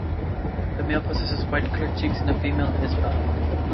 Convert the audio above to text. The male possesses white colored cheeks and the female is buff.